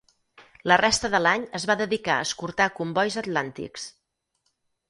La resta de l'any es va dedicar a escortar combois atlàntics.